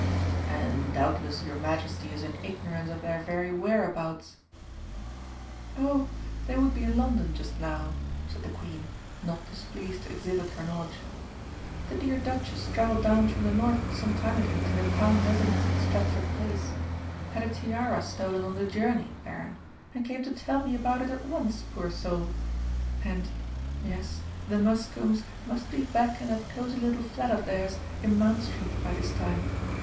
"And doubtless your Majesty is in ignorance of their very whereabouts." "Oh, they would be in London just now," said the Queen, not displeased to exhibit her knowledge. "The dear Duchess travelled down from the North sometime ago to her town residence in Stratford Place had her tiara stolen on the journey, Baron and came to tell me about it at once, poor soul! And yes, the Muscombes must be back in that cosy little flat of theirs in Mount Street by this time.